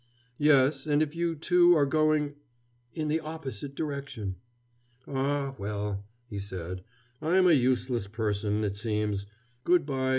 "Yes, and if you, too, are going " "In the opposite direction." "Ah, well," he said, "I am a useless person, it seems. Good by.